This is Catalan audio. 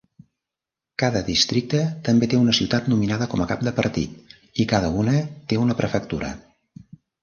Cada districte també té una ciutat nominada com a cap de partit i cada una té una prefectura.